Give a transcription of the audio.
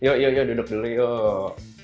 yuk yuk yuk duduk dulu yuk